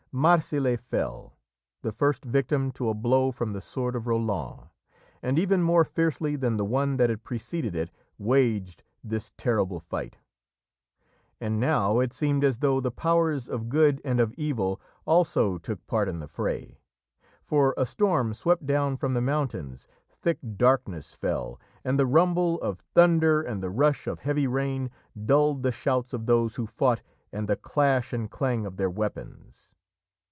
'" Marsile fell, the first victim to a blow from the sword of Roland, and even more fiercely than the one that had preceded it, waged this terrible fight. And now it seemed as though the Powers of Good and of Evil also took part in the fray, for a storm swept down from the mountains, thick darkness fell, and the rumble of thunder and the rush of heavy rain dulled the shouts of those who fought and the clash and clang of their weapons.